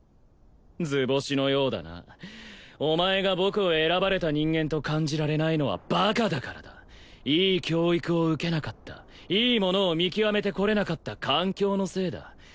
図星のようだなお前が僕を選ばれた人間と感じられないのはバカだからだいい教育を受けなかったいいものを見極めてこれなかった環境のせいだ